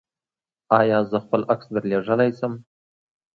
ایا زه خپل عکس درلیږلی شم؟